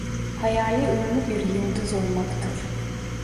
Hayali ünlü bir yıldız olmaktır.